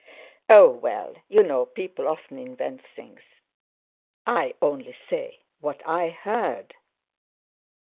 "Oh, well, you know people often invent things. I only say what I heard."